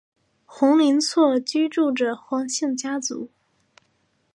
宏琳厝居住着黄姓家族。